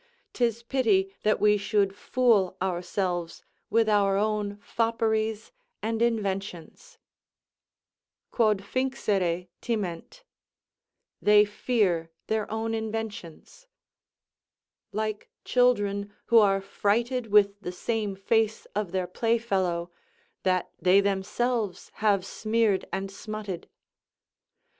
'Tis pity that we should fool ourselves with our own fopperies and inventions, Quod finxere, timent, "They fear their own inventions," like children who are frighted with the same face of their playfellow, that they themselves have smeared and smutted.